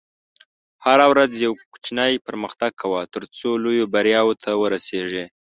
هره ورځ یو کوچنی پرمختګ کوه، ترڅو لویو بریاوو ته ورسېږې.